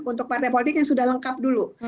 untuk partai politik yang sudah lengkap dulu